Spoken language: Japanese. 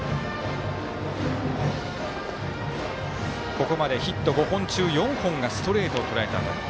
ここまでヒット５本中４本がストレートをとらえた当たり。